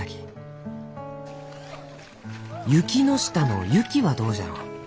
「ユキノシタの『ユキ』はどうじゃろう？